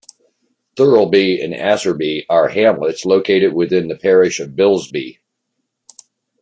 Thurlby and Asserby are hamlets located within the parish of Bilsby.